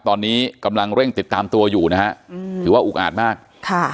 ตอนนี้กำลังเร่งติดตามตัวอยู่นะฮะอืมถือว่าอุกอาจมากค่ะ